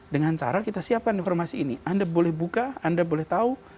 dengan cara kita siapkan informasi ini anda boleh buka anda boleh tahu